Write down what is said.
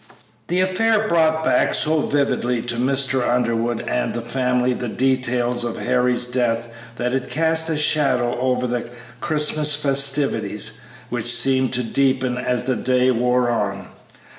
The affair brought back so vividly to Mr. Underwood and the family the details of Harry's death that it cast a shadow over the Christmas festivities, which seemed to deepen as the day wore on.